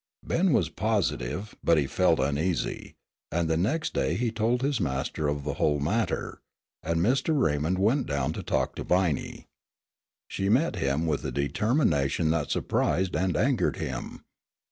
Ben was positive, but he felt uneasy, and the next day he told his master of the whole matter, and Mr. Raymond went down to talk to Viney. She met him with a determination that surprised and angered him.